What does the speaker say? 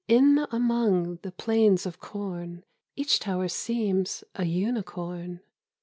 In among the plains of corn Each tower seems a unicorn.